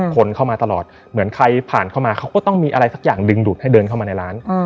คนเข้ามาตลอดเหมือนใครผ่านเข้ามาเขาก็ต้องมีอะไรสักอย่างดึงดูดให้เดินเข้ามาในร้าน